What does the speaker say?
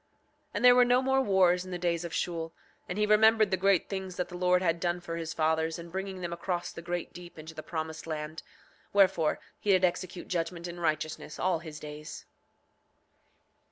7:27 And there were no more wars in the days of Shule; and he remembered the great things that the Lord had done for his fathers in bringing them across the great deep into the promised land; wherefore he did execute judgment in righteousness all his days.